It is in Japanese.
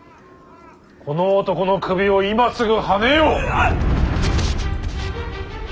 この男の首を今すぐはねよ。